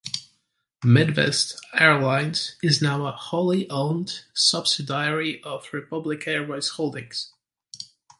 Midwest Airlines is now a wholly owned subsidiary of Republic Airways Holdings.